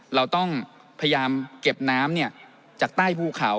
เราต้องพยายามเก็บน้ำจากใต้ภูเขา